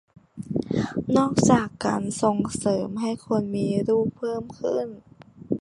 นอกจากการส่งเสริมให้คนมีลูกเพิ่มขึ้น